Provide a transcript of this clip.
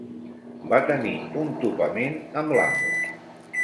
Va tenir un topament amb l'amo.